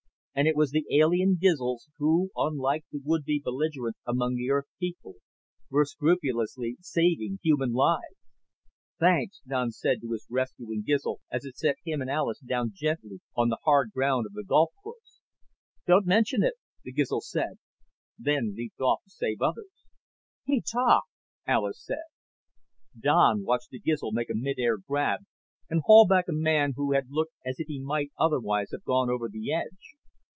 And it was the alien Gizls who, unlike the would be belligerents among the Earth people, were scrupulously saving human lives. "Thanks," Don said to his rescuing Gizl as it set him and Alis down gently on the hard ground of the golf course. "Don't mention it," the Gizl said, then leaped off to save others. "He talked!" Alis said. Don watched the Gizl make a mid air grab and haul back a man who had looked as if he might otherwise have gone over the edge.